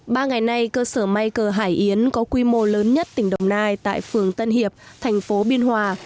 ba ngày nay cơ sở may cờ hải yến có quy mô lớn nhất tỉnh đồng nai tại phường tân hiệp thành phố biên hòa